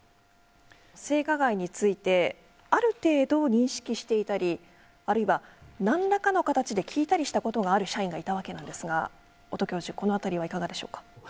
性加害についてある程度、認識していたりあるいは、何らかの形で聞いたりしたことがある社員がいたわけなんですが音教授、この辺りはいかがでしょうか。